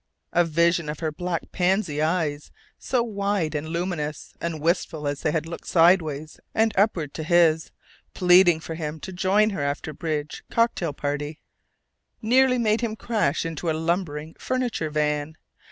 A vision of her black pansy eyes, so wide and luminous and wistful as they had looked sideways and upward to his, pleading for him to join her after bridge cocktail party, nearly made him crash into a lumbering furniture van.